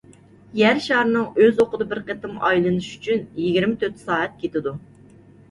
يەر شارىنىڭ ئۆز ئوقىدا بىر قېتىم ئايلىنىشى ئۈچۈن يىگىرمە تۆت سائەت كېتىدۇ.